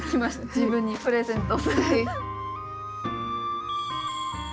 自分にプレゼント。